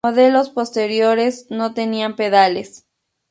Modelos posteriores no tenían pedales.